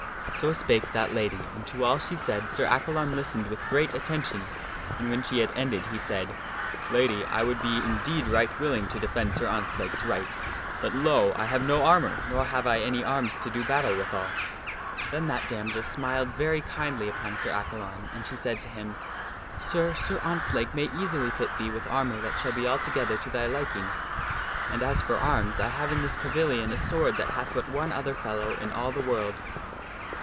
So spake that lady, and to all she said Sir Accalon listened with great attention, and when she had ended he said, "Lady, I would be indeed right willing to defend Sir Ontzlake's right, but, lo ! I have no armor nor have I any arms to do battle withal." Then that damoiselle smiled very kindly upon Sir Accalon and she said to him, " Sir, Sir Ontzlake may easily fit thee with armor that shall be altogether to thy liking. And as for arms, I have in this pavilion a sword that hath but one other fellow in all the world."